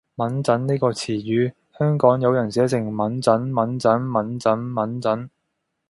𤷪𤺧 呢個詞語，香港有人寫成：忟憎，憫憎 ，𤷪𤺧，𢛴 憎